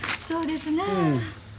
そうですな。